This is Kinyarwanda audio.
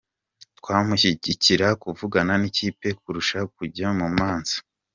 Twamushyigikira kuvugana n’ikipe kurusha kujya mu manza.